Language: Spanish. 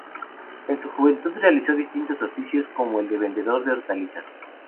En su juventud realizó distintos oficios, como el de vendedor de hortalizas.